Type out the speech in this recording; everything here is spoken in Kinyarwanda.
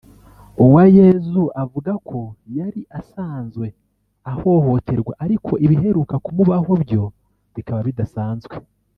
Uwayezu avuga ko yari asanzwe ahohoterwa ariko ibiheruka kumubaho byo bikaba bidasanzwe